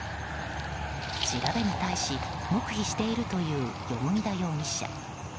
調べに対し、黙秘しているという蓬田容疑者。